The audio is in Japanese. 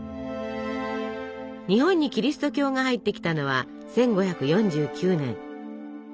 日本にキリスト教が入ってきたのは１５４９年。